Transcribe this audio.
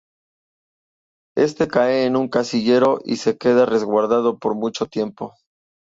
Este cae en un casillero y se queda resguardado por mucho tiempo.